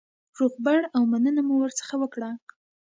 روغبړ او مننه مو ورڅخه وکړه.